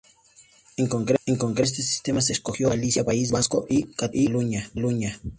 En concreto, a este sistema se acogieron Galicia, País Vasco y Cataluña.